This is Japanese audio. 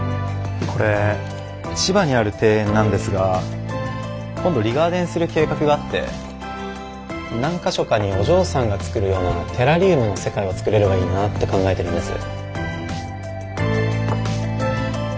これ千葉にある庭園なんですが今度リガーデンする計画があって何か所かにお嬢さんが作るようなテラリウムの世界を作れればいいなって考えてるんです。